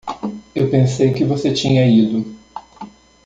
Eu pensei que você tinha ido.